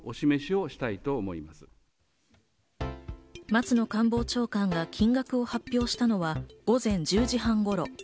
松野官房長官が金額を発表したのは午前１０時半頃。